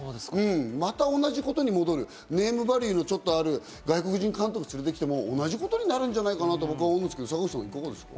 また同じ事に戻る、ネームバリューのちょっとある外国人監督を連れてきても、同じことになるんじゃないかなと思うんですけど、坂口さん。